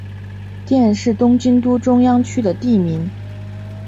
佃是东京都中央区的地名。